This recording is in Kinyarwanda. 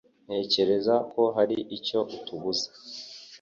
Ntekereza ko hari icyo atubuza.